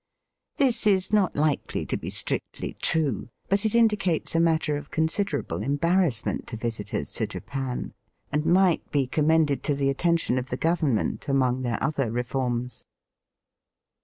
This is not likely to be strictly true, but it indicates a matter of considerable embar rassment to visitors to Japan, and might be commended to the attention of the Govern ment among their other reforms.